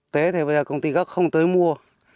tế thì bây giờ công ty gốc không tới mua